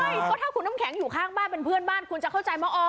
ใช่ก็ถ้าคุณน้ำแข็งอยู่ข้างบ้านเป็นเพื่อนบ้านคุณจะเข้าใจว่าอ๋อ